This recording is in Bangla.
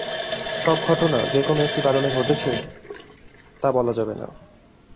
সব ঘটনা যে কোনো একটি কারণে ঘটেছে, তা বলা যাবে না।